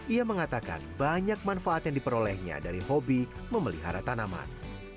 ia mengatakan banyak manfaat yang diperolehnya dari hobi memelihara tanaman